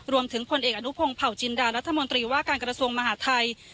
ผลเอกอนุพงศ์เผาจินดารัฐมนตรีว่าการกระทรวงมหาทัย